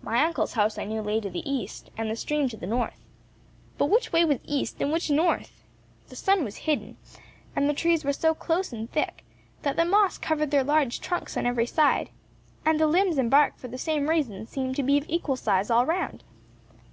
My uncle's house I knew lay to the east, and the stream to the north. But which way was east, and which north? The sun was hidden, and the trees were so close and thick, that the moss covered their large trunks on every side, and the limbs and bark for the same reason seemed to be of equal size all round.